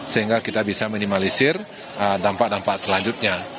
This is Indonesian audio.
sehingga kita bisa minimalisir dampak dampak selanjutnya